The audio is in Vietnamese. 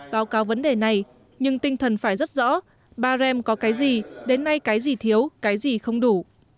báo cáo vấn đề này nhưng tinh thần phải rất rõ bà rem có cái gì đến nay cái gì thiếu cái gì không đủ